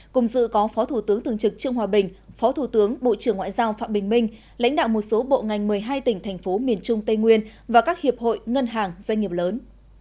cùng dự có phó thủ tướng thường trực trương hòa bình phó thủ tướng bộ trưởng ngoại giao phạm bình minh lãnh đạo một số bộ ngành một mươi hai tỉnh thành phố miền trung tây nguyên và các hiệp hội ngân hàng doanh nghiệp lớn